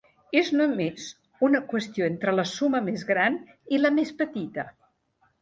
És només una qüestió entre la suma més gran i la més petita.